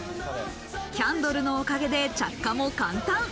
キャンドルのおかげで着火も簡単。